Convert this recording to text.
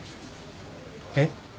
えっ？